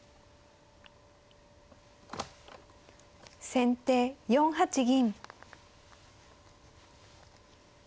先手４八銀。